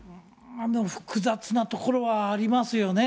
複雑なところはありますよね。